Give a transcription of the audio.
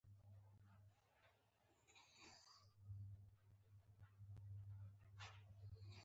الله شا کوکو جان ته القاعده لرې یا نه؟